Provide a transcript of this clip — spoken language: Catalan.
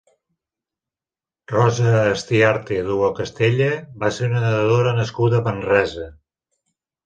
Rosa Estiarte Duocastella va ser una nedadora nascuda a Manresa.